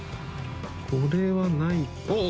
これはないあっ！